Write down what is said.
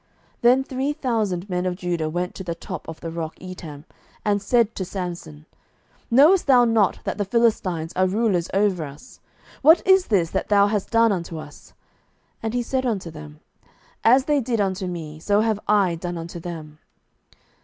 07:015:011 Then three thousand men of Judah went to the top of the rock Etam, and said to Samson, Knowest thou not that the Philistines are rulers over us? what is this that thou hast done unto us? And he said unto them, As they did unto me, so have I done unto them.